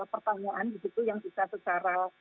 pertanyaan di situ yang bisa secara